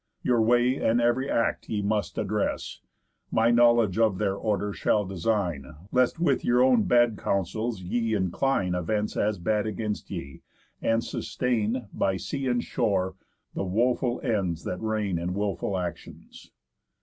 Your way, and ev'ry act ye must address, My knowledge of their order shall design, Lest with your own bad counsels ye incline Events as bad against ye, and sustain, By sea and shore, the woful ends that reign In wilful actions.